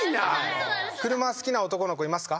車好きな男の子いますか？